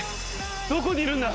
どこにいるんだ？